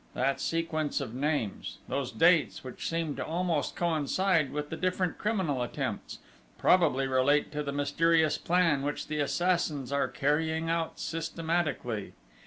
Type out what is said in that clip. That sequence of names; those dates, which seem to almost coincide with the different criminal attempts, probably relate to the mysterious plan which the assassins are carrying out systematically....